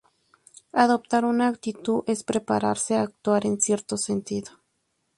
Adoptar una actitud es prepararse a actuar en cierto sentido.